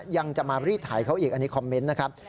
ยังจะมารีดถ่ายเขาอีกอันนี้คอมเมนต์นะครับ